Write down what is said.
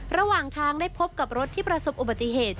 ระหว่างทางได้พบกับรถที่ประสบอุบัติเหตุ